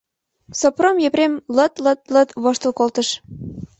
Сопром Епрем лыт-лыт-лыт воштыл колтыш.